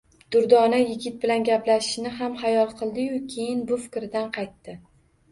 Durdona yigit bilan gaplashishni ham xayol qildi-yu, keyin bu fikridan qaytdi